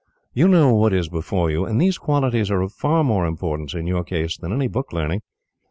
You know what is before you, and these qualities are of far more importance, in your case, than any book learning.